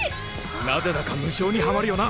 なぜだか無性にハマるよな！